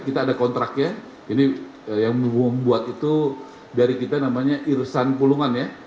kita ada kontraknya ini yang membuat itu dari kita namanya irsan pulungan ya